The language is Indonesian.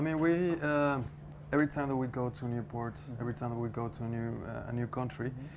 maksudnya setiap kali kita pergi ke negeri baru setiap kali kita pergi ke negara baru